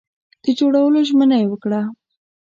د جوړولو ژمنه یې وکړه.